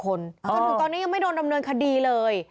จนถึงตอนนี้ยังไม่โดนดำเนินคดีเลย